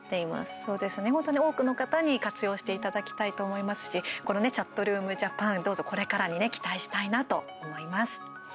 そうですね多くの方に活用していただきたいと思いますし、このね「ＣｈａｔｒｏｏｍＪａｐａｎ」どうぞ、これからにね期待したいなと思います。